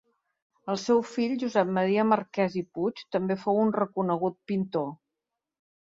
El seu fill Josep Maria Marquès i Puig també fou un reconegut pintor.